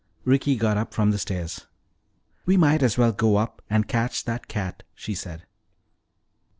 Ricky got up from the stairs. "We might as well go up and catch that cat," she said.